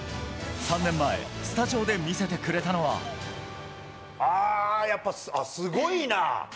３年前、スタジオで見せてくれたやっぱすごいな。